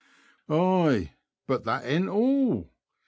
'' B. '' Ay, but thet ain't all.